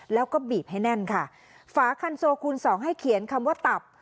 แล้วก็บีบให้แน่นค่ะฝาคันโซคูณสองให้เขียนคำว่าตับ